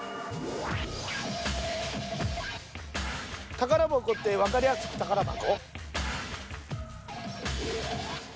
宝箱ってわかりやすく宝箱？